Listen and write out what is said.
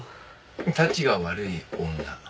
たちが悪い女。